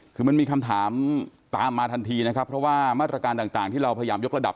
คือมันมีคำถามตามมาทันทีนะครับเพราะว่ามาตรการต่างที่เราพยายามยกระดับ